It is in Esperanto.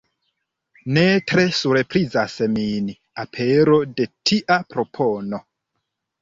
Ne tre surprizas min apero de tia propono.